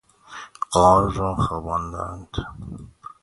قال را خواباندن